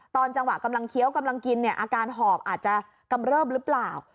ตอนจังหวะกำลังเคี้ยวกำลังกินเนี่ยอาการหอบอาจจะกำเริบหรือเปล่า